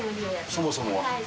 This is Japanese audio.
そもそもは。